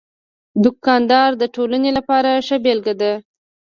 دوکاندار د ټولنې لپاره ښه بېلګه ده.